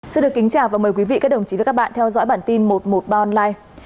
xin được kính chào và mời quý vị các đồng chí và các bạn theo dõi bản tin một trăm một mươi ba online